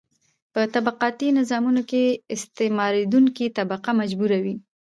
په طبقاتي نظامونو کې استثماریدونکې طبقه مجبوره وي.